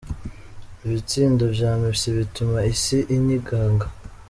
Ibitsindo vya Messi bituma isi inyiganga.